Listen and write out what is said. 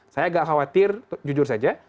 saya agak khawatir jujur saja